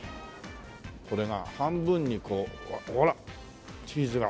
これが半分にこうほらチーズが。